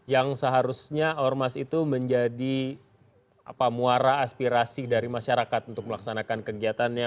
yang seharusnya ormas itu menjadi muara aspirasi dari masyarakat untuk melaksanakan kegiatannya